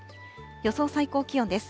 予想最高気温です。